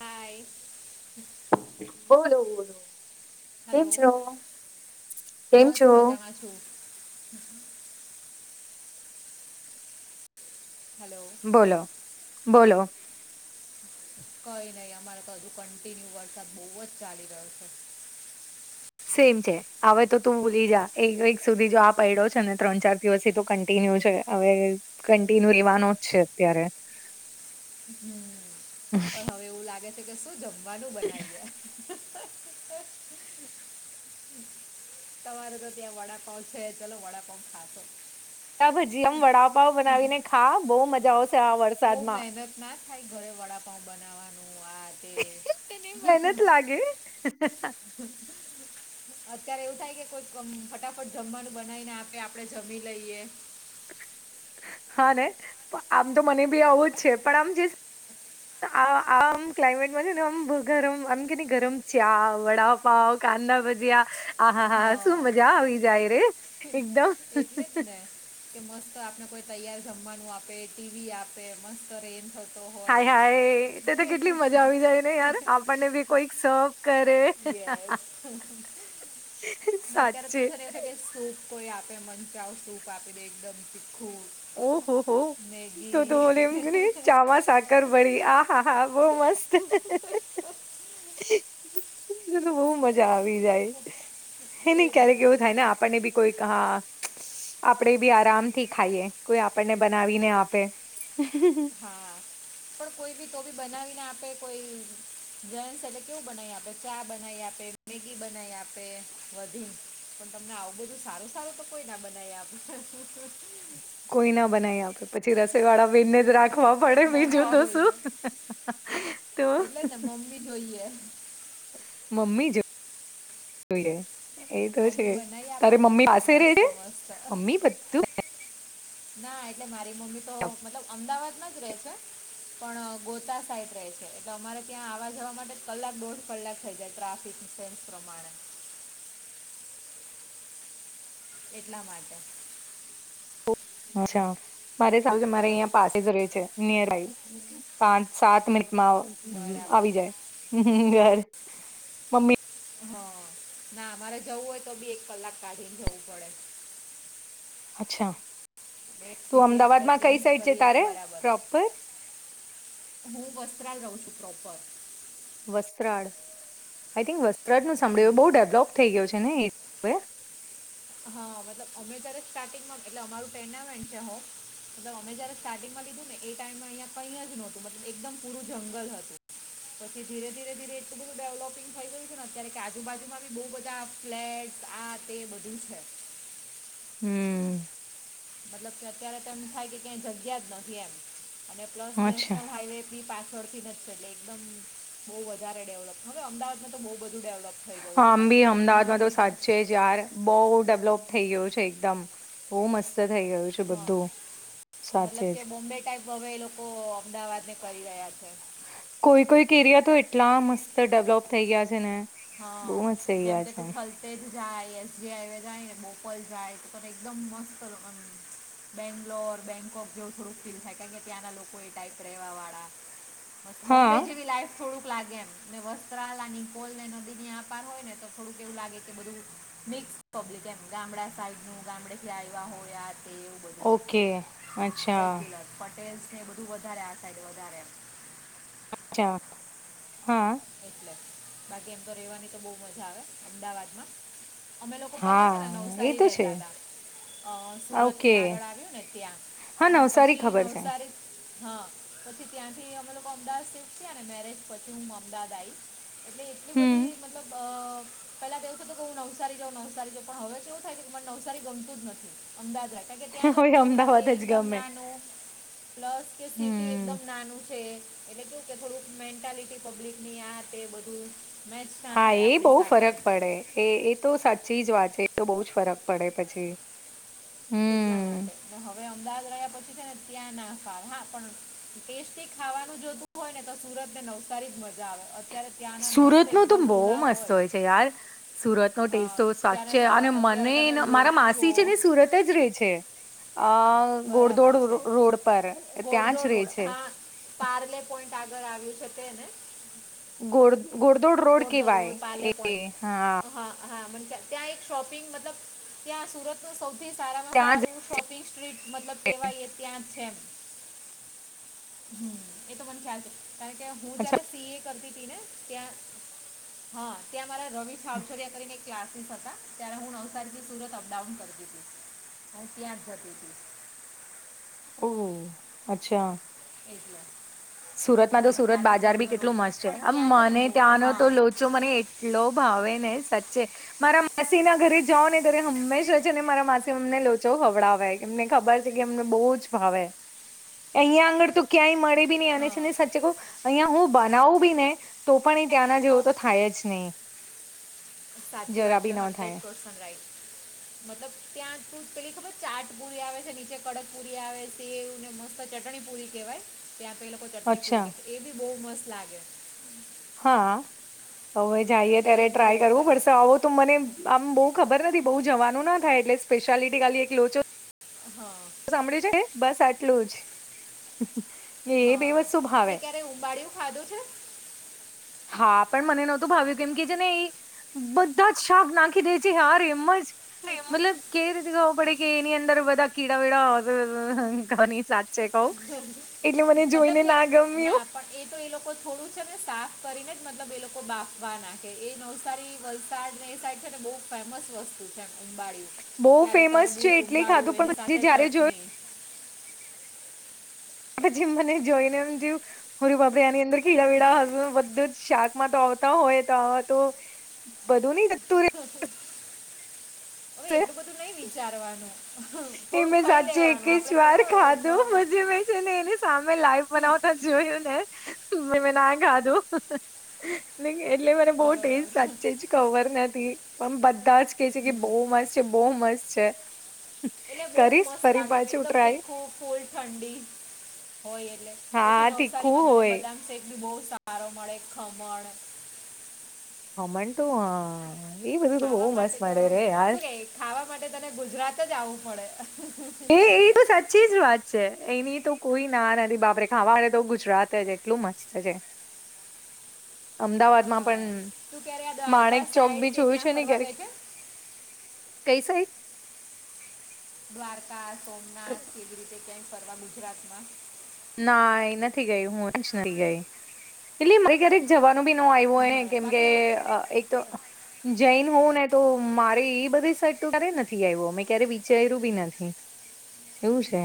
હાય બોલોલો બોલો. કેમ હલો છો કેમ બસ છો. મજામાં છું હલો. બોલો બોલો. કઈ નહી અમારે તો હજુ કન્ટિન્યુ વરસાદ બહુ જ ચાલી રહ્યો છે. સેમ છે હવે તો તું ભૂલી જા એક વક સુધી જો આ પડ્યો છે ને ત્રણ ચાર દિવસથી તું કન્ટિન્યુ છે. હવે કન્ટિન્યુ લેવાનો જ છે અત્યારે હમ પણ હવે એવું લાગે છે કે શું જમવાનું બનાવીએ. તમારાત્યા વટાપાઉ છે વટાપાઉ ખા નાભજી આમ વડાપાવ બનાવીને ખા બહુ મજા આવશે આ વર્ષ બઉ મહેનત ના થાય ઘરે વડાપઉ બનાવવાનું આજ તને મહેનત લાગે. અત્યારે એવું થાય કે કોઈક ફટાફટ જમવાનું બનાવીને આપે આપડણે જમી લઈએ. હા ને આમ તો મને બી આવું જ છે પણ આમ જે આ આમ ક્લાઇમેટમાં છે ને આમ ગરમ આમ કે ગરમ ચા વડા પાવ કાંધના ભજીયા. હા હા હા શું મજા આવી જાય રે એકદમ એટલે જ ને કે મસ્ત આપને કોઈ તૈયાર જમવાનું આપે ટીવી આપે મસ્ત કરે એમ થ હાય હાય તે તો કેટલી મજા આવી જાય ને યાર આપણને ભી કોઈક સફ કરે. યસ ને અત્યારે તો સાચે. છે ને એવું છે કે સૂપ કોઈ આપે મંચાવ સૂપ આપીને એકદમ તીખું ઓહો હો તો તો મેગી બોલે એમ કે ચામાસા ગડબડી આ હા હા બહ મસ્ત. તો બહુ મજા આવી જાય. ની એ ની જ ક્યારેક એવું થાય ને આપણને બી કોઈક હા આપણેે બી આરામ થી ખાઈએ. કોઈ આપણને બનાવીને આપે હા પણ કોઈ બી તો બી બનાવીને આપે કોઈ જન છે એટલે કેવું બનાવી આપે ચા બનાવી આપે મેગી બનાવી આપે બધી પણ તમને આવું બધું સારું સારું તો કોઈ ના બનાવે કોઈ ના બનાવી આપે પછી રસોઈ વાળા બેનને જ રાખવા પડે બીજું મમ્મી તો શું. જોઈએ તો એટલે છેને મમ્મી જોઈએ મમ્મી જ જોઈએ. એ તો છે મમ્મી બનાવી આપે તારે ને મમ્મી પાસે રે મસ્ત છે મસ્ત મમ્મી બધું ના એટલે મારી મમ્મી તો મતલબ અમદાવાદમાં જ રહેે છે. પણ ગોતા સાઈડ રહે છે. અમારે ત્યાં આવા જવા માટે કલાક દોઢ કલાક થઇ જાય ટ્રાફિકના લીધે. એટલા માટે અચ્છા મારે [unintelligible] એટલે મારે પછી અહીંયા પાસ [unintelligible] પાંચ સાત મિનિટમાં બરાબર આવી જાય. [unintelligible] મમ્મી ના મારે જવું હોય તો બી એક કલાક કાઢીને જવું પડે. એટલે અચ્છા એક તું સિટી આપણે અમદાવાદમાં ચેન્જ કઈ સાઈડ છે કરીએ એ તારે બરાબર પ્રોપર હું વસ્ત્રાદા રઉ છું પ્રોપર. વસ્ત્રાદ આઈ થિંક વસ્ત્રાદનું સાંભળ્યું એવું બઉ હમ ડેવલોપ થઈ ગયો છે ને એ હવે હા મતલબ અમે ત્યારે સ્ટાર્ટિંગમાં એ અમારું ટુર્નામેન્ટ છે હવે. મતલબ અમે જયારે સ્ટાર્ટિંગમાં લીધું ને એ ટાઈમમાં અંયા કઈ જ નોતું મતલબ એકદમ પૂરું જંગલ હતું. પછી ધીરે ધીરે ધીરે એટલું બધું ડેવલોપિંગ થઈ ગયું ને અત્યારે કે આજુબાજુમાં બી બઉ બધા ફ્લેટ આ તે બધું છે. હમ્મ. મતલબ કે અત્યારે તો એમ થાય કે ક્યાય જગ્યા જ નથી એમ અને પ્લસ અચ્છા નેશનલ હાઈવે બી પાછળથી ને જ છે એટલે એકદમ બહુ વધારે ડેવલોપ હવે અમદાવાદમાં તો બહુ બધું ડેવલોપ આમ બી અમદાવાદમાં તો સાચે જ યાર બહુ ડેવલોપ થઈ ગયું છે એકદમ બહુ મસ્ત થઈ ગયું છે. બધું સાચે મતલબ જ કે બોમ્બે ટાઈપ હવે એ લોકો અમદાવાદ ને કરી રહ્યા છે. કોઈ કોઈક એરિયા તો એટલા મસ્ત ડેવલોપ થઈ ગયા છે ને. હ, બહુ મસ્ત થઈ જેમ ગયા કે છે તું થલતેજ જાય, એસ જી હાઈવે જાયને, બોપલ જાય તો તને એકદમ મસ્ત બેંગ્લોર બેંગકોક જેવું થોડું ફીલ થાય કારણ કે ત્યાં ના લોકો એ ટાઈપ રેવા વાળા. બોમ્બે હા જેવી લાઈફ થોડુંક લાગે એમ વસ્ત્રલા આ નિકોલને [unintelligible] હોય ને તો થોડુંક એવું લાગે તો તે બધું મિક્સ પબ્લિક એમ ગામડા સાઈડનું ગામડે થી આઇવા હોય આ તે એવું બધું ઓકે, અચ્છા. પટેલ છે બધું વધારે આ સાઈડ હોય. અચ્છા, હા. એટલે બાકી એમ તો રહેવાની તો બહુ મજા આવે અમદાવાદમાં. અમે લોકો પેલા છે ને હા, એ નવસારી તો છે. રેતાતા. અ સુરતની ઓકે. આગળ આવ્યું ને ત્યાં હા, પણ નવસારી પછી ખબર છે. નવસારી હ, પછી ત્યાંથી અમે લોકો અમદાવાદ શિફ્ટ થયા ને મેરેજ પછી હું અમદાવાદ આઈ એટલે એટલી હમ. બધી મતલબ અ પેલા તો એવું થતું કે હું નવસારી જઉં નવસારી જઉં પણ હવે તો એવું થાય કે મને નવસારી ગમતું જ નથી અમદાવાદ [unintelligible] ત્યાં જઉન હવે તો એવું લાગે અમદાવાદ જ એકદમ ગમે. નાનું પ્લસ કે સિટી હમ. એકદમ નાનું છે. અને કેવું કે થોડુંક મેન્ટાલિટી પબ્લિક ની આ તે બધું મેચ ના હા એ થાય બઉ આપણી સાથે ફરક પડે એ એ તો સાચી જ વાત છે એ તો બહુ જ ફરક પડે પછી એટલા હમ. માટે હવે અમદાવાદ રહ્યા પછી છે ને ત્યાં ના ફાવે, હા પણ ટેસ્ટી ખાવાનું જોતું હોય ને તો સુરત ને નવસારી જ મળે મજા આવે અત્યારે ત્યાં ના મસ્ત એકદમ પુલાવ હોય તે યાર સુરત નો હા ટેસ્ટ તો ત્યારે સાચે સવા અને અત્યારે મને તને ન મારા લોચો માસી છે ને સુરત જ રે છે. અ ગોડદોડ બરાબર છે રોડ પર ત્યાં જ ઘોડદોડ રહે રોડ છે. હા પાર્લે પોઈન્ટ આગળ આવ્યું છે તે ને? ગોડ ગોડધોડ રોડ ઘોડદો કેવાય પાર્લે એ, પોઈન્ટ હા હા, હા મન ત્યાં ત્યાં એક શોપિંગ મતલબ ત્યાં સુરતનું સૌથી સારામાં ત્યાં સારું શોપિંગ સ્ટ્રીટ મતલબ જ કેવાય એ ત્યાં છે એમ હમ, એ તો મન ખ્યાલ છે. કારણ કે હું અચ્છા જયારે સીએ કરતી તી ને ત્યાં હા ત્યાં મારા રવિ સાવચડિયા કરીને એક ક્લાસીસ હતા ત્યારે હું નવસારીથી સુરત અપડાઉન કરતી તી અને ત્યાં જતી હતી ઓહ, અચ્છા [inaudible] સુરતમાં એટલે તો મને સુરત ખ્યાલ છે બાજાર બી ઘોડદો કેટલું રોડ મસ્ત છે પણ આમ ત્યાં છે ને મને બહુ ત્યાંનો તો હા લો જો મને એટલો ભાવે ને સાચે મારા માસી ના ઘરે જાઓ ને તરે હંમેશા છે ને મારા માસી અમને લોચા ખવડાવવાય એમને ખબર છે કે એમને બહુ જ ભાવે કે અહીિયાંયા આગળ તો ક્યાંય મળે-' બી નહી અને હા છે સાચે કહ અહિયાં હું બનાવું બી ને-' તો પણ એ ત્યાંના જેવો તો થાય જ નહી. સાચી વા જરા બી છે ન હંડ્રેડ થાય પસન્ટ રાઇટ [inaudible] પેલી ખબર ચાટ પૂલી આવે છે નીચે કડક પૂરી આવે છે એ ને મસ્ત ચટણી પૂરી કહેવાય. ત્યાં પે લોકોચટણી અચ્છા પૂરી એ બી બહુ મત લાગે હા હવે જઈએ એટલે ત્યારે એ બી બહુ ટ્રાય કરવું પડશે સારું આવો તો મને આમ બહ ખબર નથી બહુ જવાનું ના થાય એટલે સ્પેશિયાલિટી ખાલી એક લોચો હા સાંભળ્યું છે બસ આટલું જ એ બે વસ્તુ ભાવે ઉંબાળિયું ખાધું છે. હા પણ મને નહોતું ભાવ્યું કેમ કે છે ને એ બધા જ શાક નાખી દે છેયાર એમ જ સેવ મતલબ કે વી રીતે ખબર પડે કે એની અંદર બધા કીડા વીડા ઘની સાચ છે કઉ એટલે મને મતલબ જોઈને કે ના ગમ્યું. ના પણ એ તો એ લોકો થોડું છે ને સાફ કરીને જ મતલબ એ લોકો બાફવા ના એ નવસારી વલસાડની એ સાઈડ છે ને બહ ફેમસ વસ્તુ ઉબળિ બહુ ત્યારે તર ફેમસ ગૂત છે એટલે ઉબાળ્યું ખાધું એની પણ સાથે પછી જયારે જોયું ચટણી પછી મને જોઈને એમ થુયુ હ ર બાપરે આની અંદર ખીડા વડા હજુ બધું જ શાકમાં તો આવતા હોય તો આ તો બધું નહી જતું તે એ નય વિચારવાનું એ થોડું મેં ખાઈ સાચી લેવાનું એકસ આપણે વાર થોડા ખાથુ નોર પછીમે ને એની સામે લાઈવ બનાવતા જોયું ને મે મે ના ખાધું ન એટલે મને બહ અર ટેસ્ટ સાચે એટલે જ ખવર નથી પણ બધા જ કે છે કે બહુ મસ્ત છે બહુ મસ્ત છે. એટલે બહુ કરીશ મસ્ત ફરી લાગે એમ પાછું એકદમ ટ્રાય તીખું ફૂલ ઠંડી હોય એટલે હા પછી તીખું નવસારીમાં તમે હોય બદામ શેક બી બઉ સાર સારો મળે ખમણ હમણ તું હા એ બધું તો બહુ ખાવા મસ્ત માટે તો મળે રે યાર શું કે ખાવા માટે તને ગુજરાત જ આવું પડે એ એ તો સાચી જ વાત છે એની તો કોઈ ના નથી બાપરે ખાવાડે તો ગુજરાત જ એટલું મસ્ત જ અમદાવાદમાં હા પણ તું ક્યારે આ દ્વારકા માણેક ચોક સાઈડ બી કે જોયું છે ત્યાં ને ફરવા ક્યારેક ગઈ છે કઈ સાઈડ દ્વારકા સોમનાથ કે કેવી રીતે ક કરવા ગુજરાતમાં ના એ નથી ગય હું જ નથી ગઈ એટલે મરી ઘરે જવાનું બી ન આવ્યું હોયને બરાબર કેમકે બાકી હવે એક તો જૈન હોવં ને તો મારે એ બધી સટ ક્યારે નથી આવ્યો મેં ક્યારે વિચાર્યું બી નથી એવું છે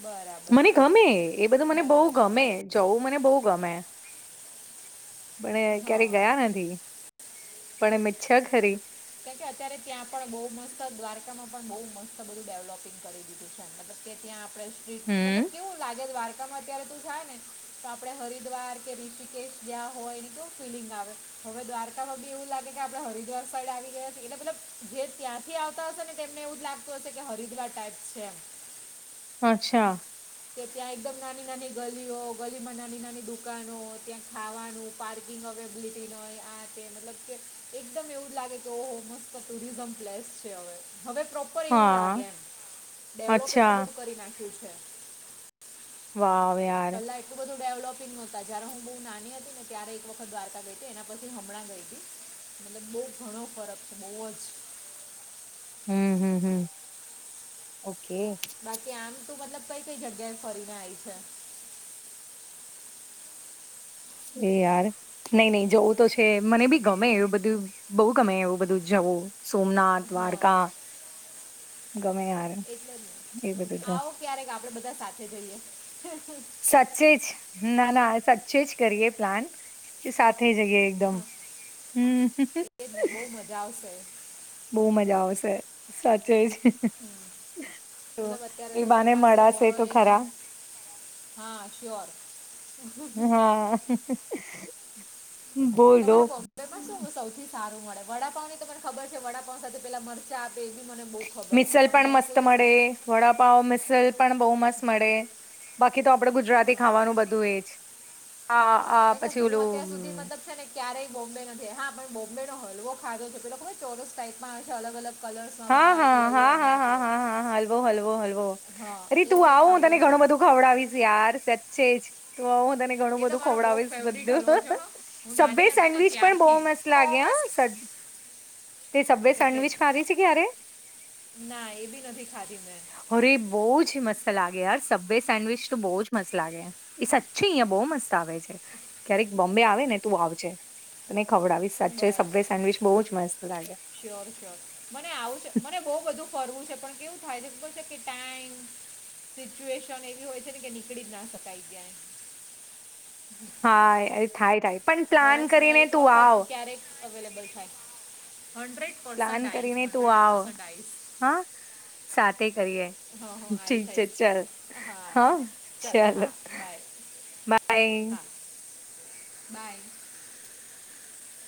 બરાબર મને છે ગમે એ બધું મને બહુ બરાબર છે ગમે બાકી જવું મને બહુ ગમે પણ હા ક્યારેય ગયા નથી પણ એમ ઇચ્ચા ખરી કેમકે અત્યારે ત્યાં પણ બહુ મસ્ત દ્વારકામાં પણ બહ મસ્ત બધું ડેવલોપિંગ કરીયુ છે ત્યાં આપડે મતલબ હમ કેવું લાગે દ્વારકામાં અત્યારે તો થા ને તો આપે હરિદ્વાર કે ઋષિકેશ ગ્યા હોય તો ફીલીંગ આવે હવે દ્વારકામાં બી એવું લાગે કે આપડે હરિદ્વાર સાઈડ આવી લે મતલબ જે ત્યાંથી આવતા હશે ને તેમને એવું જ લાગતું હશે કે હરિદ્વાર ટાઈપ છે અચ્છા કે ત્યાં એકદમ નાની નાની ગલીઓ ગલીમાં નાની નાની દુકાનો ત્યાં ખાવાનું પાર્કિંગ [unintelligible] મ કે એકદમ એવું જ લાગે કે ઓ મસ્ત ટુરિઝમ પ્લેસ છે હવે પ્રો પ્રોપર એવું લાગે એમ ડેવલોપ એટલું બધું કરી નાખ્યું છે. વાવ યાર એટલ બધું ડેવલોપિંગ નતા જય્યારે હું બો નાની ને ત્યારે એક વખત દ્વારકા ગઈ હતી એના પછી હમણાં ગઈ હતી મતલબ બહુ ઘણો ફરક બહુ જ હમ્મ હમ્મ હમ્મ ઓકે બાકી આમ તું મતલબ કઈ કઈ જગ્યાએ ફરીને આવી છે? છે યાર નહી નહી જવું તો છે મને બી ગમે એવું બધું બહુ ગમે એવું બધું જવું સોમનાથ, હા દ્વારકા ગમે યાર એટલે જ એ બધું તો આવો ક્યારેક આપડે બધા સાથે જઈએ. સાચ્ચે જ ના ના સાચ્ચે જ કરીએ પ્લાન કે સાથે જઈએ એકદમ હમ્મ એ જ ને બહુ મજા આવશે બહુ મજા આવશે સાચ્ચે જ તો મતલબ અત્યારે એ તો બાને ચોમાસું મળાશે તો હોય ને ખરા હા શ્યોર હા બોલો તમામે બૉમ્બ બોમ્બેમાં શું સૌથી સારું મળે વડાપાવ ની તો મને ખબર છે વડાપાવ સાથે પેલા મરચા આપે એ બી મને બહુ ખબર છે મિસલ પણ મેં મસ્ત કોઈ દિવસ મળે સુધી વડાપાવ મિસલ પણ બહુ મસ્ત મળે. બાકી તો આપડે હા ગુજરાતી ખાવાનું બધું એજ આ બરાબર આ કારણ પછી કે હું અત્યાર સુધી ઓલું મતલબ છે ને ક્યારેય બોમ્બે નથી હા પણ બોમ્બે નો હલવો ખાધો છે પેલો ચોરસ ટાઈપમાં છે અલગ અલગ કલર હા હા હા હા હા હા હા હલવો હલવો હલવો હા અલી એ તું મેં આવ ખાધો તને છે ઘણું બધો ખવડાવીશ યાર સાચ્ચે જ તો હું તને ઘણું એ તો બધું મારો બહુ ખવડાવીશ ફેવરિટ હલવો બધું છે હો હું સબવે નાની હતી ને સેન્ડવીચ પણ બહુ ત્યારથી મસ્ત બહુ લાગે મસ્ત તે સબવે એટલે સેન્ડવિચ જ ખાધી છે ક્યારે ના એ ભી નથી ખાધી મેં અરે બહુ જ મસ્ત લાગે યાર સબવે સેન્ડવિચ તો બહુ જ મસ્ત લાગે એ સાચી અહિયાં બહુ મસ્ત આવે છે ક્યારેક બોમ્બે આવે ને તું આવજે તને ખવડાવીશ સાચ્ચે સબવે બરાબર સેન્ડવિચ બહુ જ મસ્ત લાગે. શ્યોર શ્યોર મને આવું છે મને બહુ બધું ફરવું છે પણ કેવું ફાયદો એ પણ છે કે ટાઈમ સિચ્યુએશન એવી હોય છે ને કે નીકળી જ ના શકાય. હા થાય થાય પણ પ્લાન વરસમાં કરીને એક તું આવ વખત ક્યારેક અવેલેબલ થાય હંન્ડ્રેડ પ્લાન કરીને તું આવ હા સાથે કરીએ હા હા ઠીક આવીશ છે આવીશ ચલ હા ચાલ ચાલો હા બાય બાય હા બાય